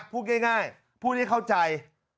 พูดง่ายพูดให้เข้าใจ